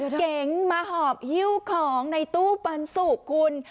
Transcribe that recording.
เก๋งมาหอบฮิ้วของในตู้ปันสุกคุณ